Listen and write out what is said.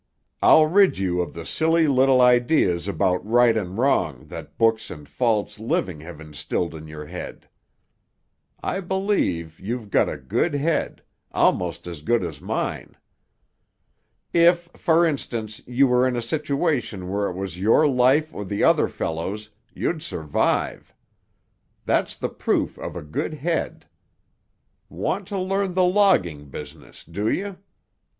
I'll rid you of the silly little ideas about right and wrong that books and false living have instilled in your head. I believe you've got a good head—almost as good as mine. If, for instance, you were in a situation where it was your life or the other fellow's, you'd survive. That's the proof of a good head. Want to learn the logging business, do you?